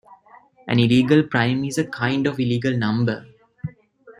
An illegal prime is a kind of illegal number.